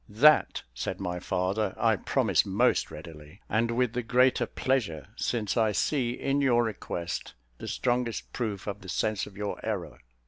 "That," said my father, "I promise most readily; and with the greater pleasure, since I see, in your request, the strongest proof of the sense of your error."